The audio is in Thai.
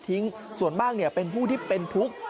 ทส่วนมากเนี่ยเป็นผู้ที่เป็นภูครึ่ง